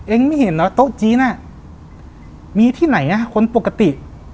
เองไม่เห็นเหรอโต๊ะจีนมีที่ไหนคนปกติ